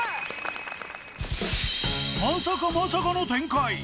まさかまさかの展開